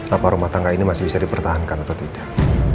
apa rumah tangga ini masih bisa dipertahankan atau tidak